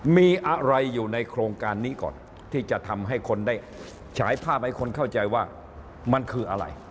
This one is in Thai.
มีอะไรอยู่ในโครงการนี้ก่อนที่จะทำให้คนได้ฉายภาพให้คนเข้าใจว่ามันคืออะไร